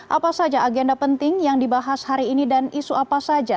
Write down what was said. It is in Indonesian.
apa saja agenda penting yang dibahas hari ini dan isu apa saja